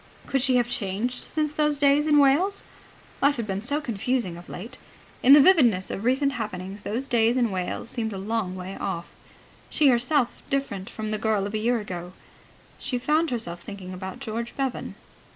Could she have changed since those days in Wales? Life had been so confusing of late. In the vividness of recent happenings those days in Wales seemed a long way off, and she herself different from the girl of a year ago. She found herself thinking about George Bevan.